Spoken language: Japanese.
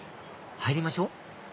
入りましょ